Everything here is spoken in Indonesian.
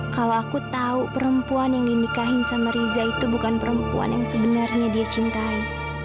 kalau aku tahu perempuan yang dinikahin sama riza itu bukan perempuan yang sebenarnya dia cintai